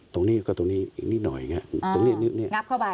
ตรงนี้ก็ตรงนี้อีกนิดหน่อยตรงนี้งับเข้าไป